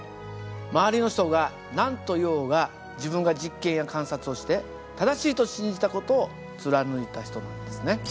周りの人が何と言おうが自分が実験や観察をして正しいと信じた事を貫いた人なんですね。